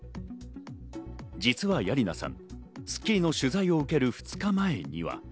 実はヤリナさん、『スッキリ』の取材を受ける２日前には。